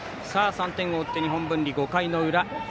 ３点を追って日本文理、５回の裏。